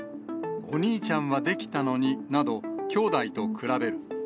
激しくどなる、お兄ちゃんはできたのになど、きょうだいと比べる。